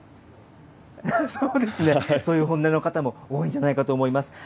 そうですね、そういう本音の方も多いんじゃないかと思います。